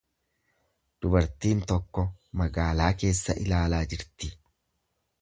Dubartiin tokko magaalaa keessa ilaalaa jirti.